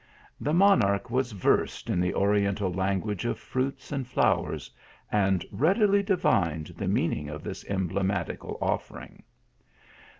The monarch was versed in the oriental language of fruits and flowers, and readily divined the mean ing of this emblematical offering.